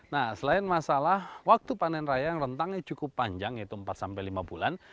nah selain masalah waktu panen raya yang rentangnya cukup panjang yaitu empat sampai lima bulan